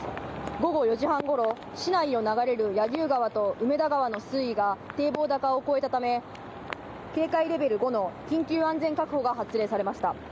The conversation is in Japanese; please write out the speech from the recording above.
午後４時半ごろ、市内を流れる柳生川と梅田川の水位が堤防高を超えたため、警戒レベル５の緊急安全確保が発令されました。